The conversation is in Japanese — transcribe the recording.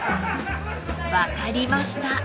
［分かりました］